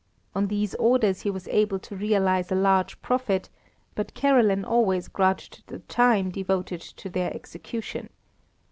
On these orders he was able to realise a large profit, but Caroline always grudged the time devoted to their execution.